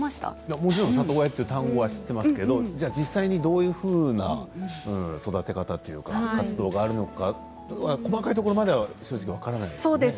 もちろん里親という単語は知ってますけど実際にどういうふうな育て方というか活動があるのか細かいところまでが正直分からない。